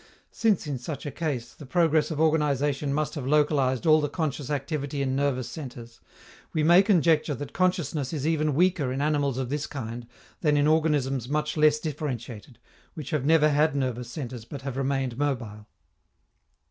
Since, in such a case, the progress of organization must have localized all the conscious activity in nervous centres, we may conjecture that consciousness is even weaker in animals of this kind than in organisms much less differentiated, which have never had nervous centres but have remained mobile.